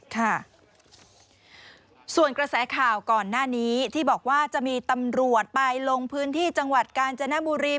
ค่ะส่วนกระแสข่าวก่อนหน้านี้ที่บอกว่าจะมีตำรวจไปลงพื้นที่จังหวัดกาญจนบุรี